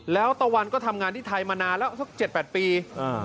แล้วตะวันก็ทำงานที่ไทยมานานแล้วสัก๗๘ปี